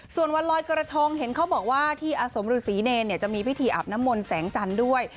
ส่วนวันลอยกระทงเห็นเขาบอกว่าที่อสมฤษีเนรจะมีพิธีอาบน้ำมนต์แสงจันทร์ด้วย